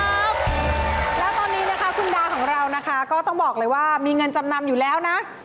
แล้วตอนนี้นะคะคุณดาของเรานะคะก็ต้องบอกเลยว่ามีเงินจำนำอยู่แล้วนะ